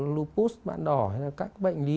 lupus bạn đỏ hay là các bệnh lý